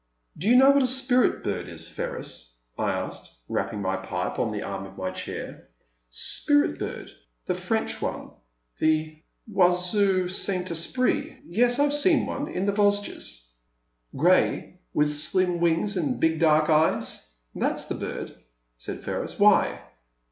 Do you know what a Spirit bird is, Ferris? " I asked, rapping my pipe on the arm of my chair. '* Spirit bird — ^the French one — ^the Oiseau Saint Esprit ? Yes, I've seen one — in the Vos ges." '* Grey — with slim wings and big dark eyes ?" •'That 's the bird," said Ferris ;" why